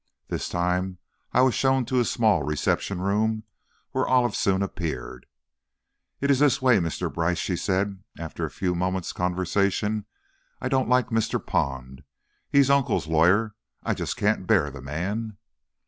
This time I was shown to a small reception room, where Olive soon appeared. "It's this way, Mr. Brice," she said after a few moments' conversation. "I don't like Mr. Pond, he's Uncle's lawyer, I just can't bear the man!"